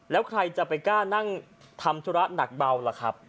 แล้วใครจะไปกล้านั่งทำธุระหนักเบาล่ะครับ